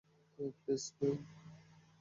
Please, ma'am.